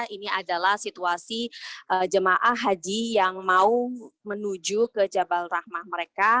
ini adalah situasi jemaah haji yang mau menuju ke jabal rahmah mereka